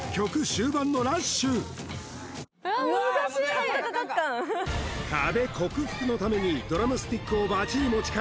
終盤のラッシュカッカカカッカン壁克服のためにドラムスティックをバチに持ち替え